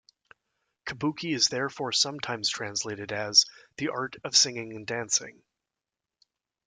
Kabuki is therefore sometimes translated as "the art of singing and dancing".